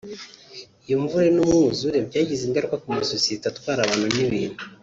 Iyo mvura n’umwuzure byagize ingaruka ku masosiyete atwara abantu n’ibintu